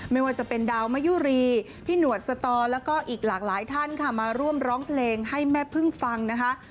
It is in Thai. ไม่ว่าจะเป็นดาวมะยุรีพี่หนวดสตอแล้วก็อีกหลากหลายท่านค่ะมาร่วมร้องเพลงให้แม่พึ่งฟังนะคะ